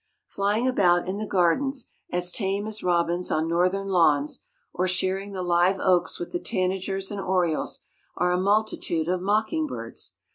Flying about in the gardens, as tame as robins on northern lawns, or sharing the live oaks with the tanagers and orioles, are a multitude of mocking birds.